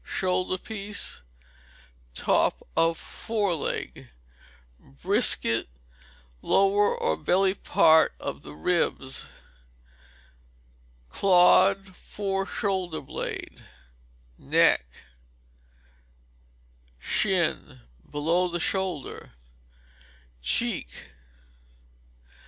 Shoulder piece (top of fore leg); brisket (lower or belly part of the ribs); clod (fore shoulder blade); neck; shin (below the shoulder); cheek.